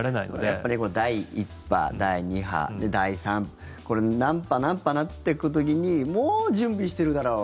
やっぱり第１波、第２波、第３波何波、何波ってなってくる時にもう準備してるだろう